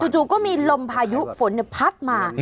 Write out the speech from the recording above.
จู่ก็มีลมพายุฝนพัดมา